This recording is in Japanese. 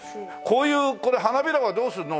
こういうこれ花びらはどうするの？